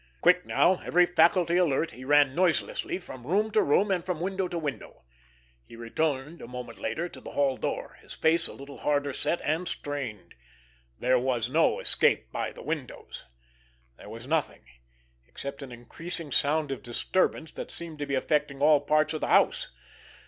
Quick now, every faculty alert, he ran noiselessly from room to room, and from window to window. He returned a moment later to the hall door, his face a little harder set and strained. There was no escape by the windows. There was nothing, except an increasing sound of disturbance that seemed to be affecting all parts of the house.